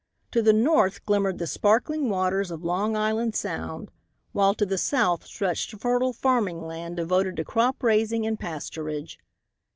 To the north glimmered the sparkling waters of Long Island Sound, while to the south stretched fertile farming land, devoted to crop raising and pasturage.